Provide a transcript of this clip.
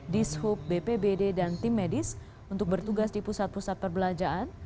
dishub bpbd dan tim medis untuk bertugas di pusat pusat perbelanjaan